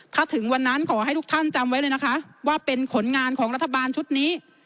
ถ้าถึงวันนั้นขอให้ทุกท่านจำไว้เลยนะคะว่าเป็นผลงานของรัฐบาลชุดนี้